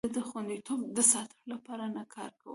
زه د خوندیتوب د ساتلو لپاره نه کار کوم.